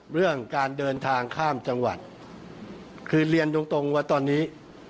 เรื่องการเดินทางข้ามจังหวัดคือเรียนตรงตรงว่าตอนนี้